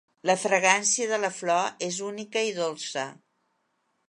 La fragància de la flor és única i dolça.